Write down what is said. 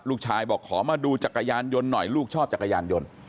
ลูกชายบอกขอมาดูจักรยานยนต์หน่อยลูกชอบจักรยานยนต์